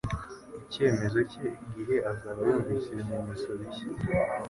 icyemezo cye igihe azaba yumvise ibimenyetso bishya